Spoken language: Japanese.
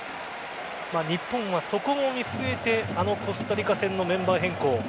日本は、そこも見据えてあのコスタリカ戦のメンバー変更。